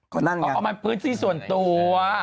ก็นั่งอย่างนั้นอ๋อมันพื้นสิ่งส่วนตัว